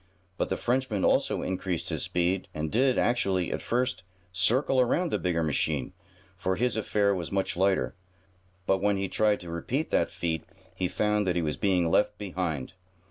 But the Frenchman also increased his speed and did, actually, at first, circle around the bigger machine, for his affair was much lighter. But when he tried to repeat that feat he found that he was being left behind.